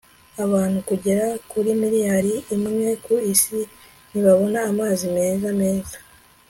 abantu bagera kuri miliyari imwe ku isi ntibabona amazi meza, meza